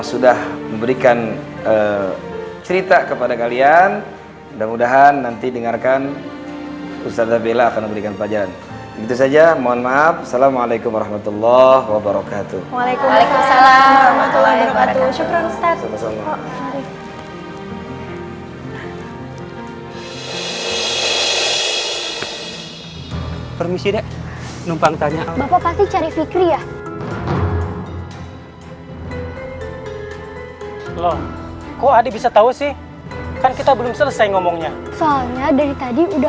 loh kok ada bisa tahu sih kan kita belum selesai ngomongnya soalnya dari tadi udah